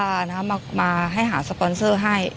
หลากหลายรอดอย่างเดียว